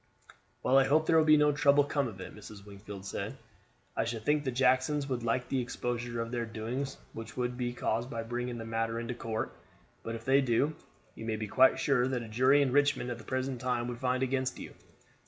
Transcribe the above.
"Well, I hope there will be no trouble come of it," Mrs. Wingfield said. "I shouldn't think the Jacksons would like the exposure of their doings which would be caused by bringing the matter into court; but if they do, you may be quite sure that a jury in Richmond at the present time would find against you."